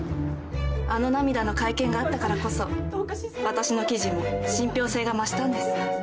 あの涙の会見があったからこそ私の記事も信ぴょう性が増したんです。